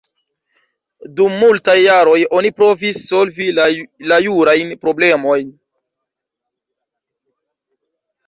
Dum multaj jaroj oni provis solvi la jurajn problemojn.